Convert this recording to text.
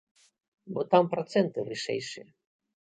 Бо там працэнты вышэйшыя.